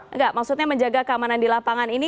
enggak maksudnya menjaga keamanan di lapangan ini